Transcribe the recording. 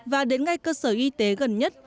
và đến ngay cơ sở y tế gần nhất